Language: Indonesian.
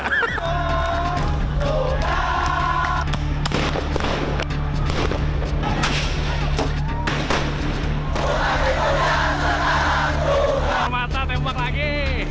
tembak mata tembak lagi